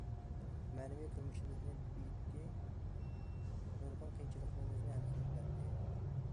مەنىۋى تۇرمۇشىمىزنى بېيىتتى، نۇرغۇن قىيىنچىلىقىمىزنى ھەل قىلىپ بەردى.